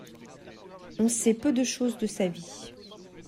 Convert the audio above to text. On sait peu de chose de sa vie.